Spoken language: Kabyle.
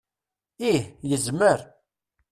Ih, yezmer.